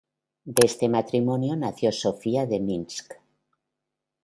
De ese matrimonio nació Sofía de Minsk.